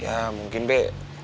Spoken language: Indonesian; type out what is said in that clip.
ya mungkin be